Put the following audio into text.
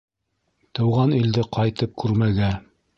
Тыуған илде ҡайтып күрмәгә.